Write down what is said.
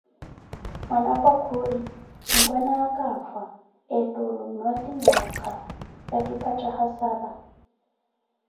Mwanapwa kujipu: Mpwanaaka afwa, ettha olumiwa ti nhooka, ya kipattha hassara.